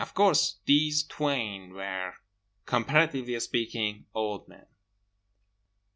Of course these twain were, comparatively speaking, old men….